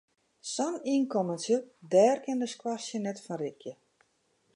Sa'n ynkommentsje, dêr kin de skoarstien net fan rikje.